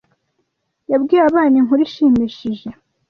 Yabwiye abana inkuru ishimishije.